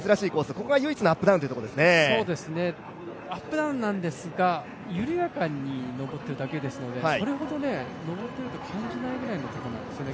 ここが唯一のアップダウンというアップダウンですが、緩やかに上っているだけなので、それほど上っていると感じないぐらいですね。